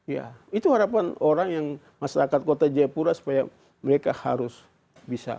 ya itu harapan orang yang masyarakat kota jayapura supaya mereka harus bisa